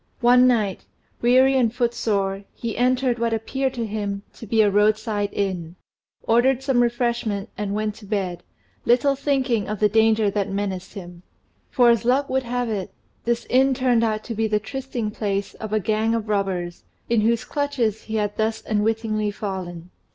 One night, weary and footsore, he entered what appeared to him to be a roadside inn, ordered some refreshment, and went to bed, little thinking of the danger that menaced him: for as luck would have it, this inn turned out to be the trysting place of a gang of robbers, into whose clutches he had thus unwittingly fallen.